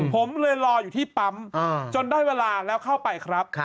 ผมเลยรออยู่ที่ปั๊มจนได้เวลาแล้วเข้าไปครับ